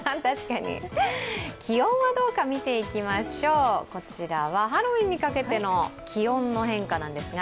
気温はどうか、見ていきましょうこちらはハロウィーンにかけての気温の変化なんですが。